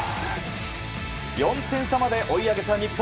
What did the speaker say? ４点差まで追い上げた日本。